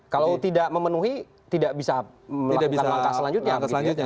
kalau tidak memenuhi tidak bisa melakukan langkah selanjutnya